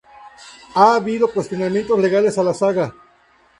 Ha habido cuestionamientos legales a la saga.